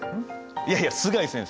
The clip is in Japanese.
いやいや須貝先生